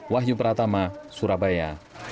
wahyu pratama surabaya